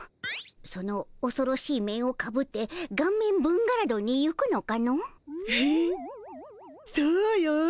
そのおそろしい面をかぶってガンメンブンガラドンに行くのかの？へへそうよ。